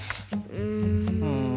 うん。